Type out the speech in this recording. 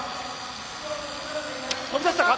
飛び出したか。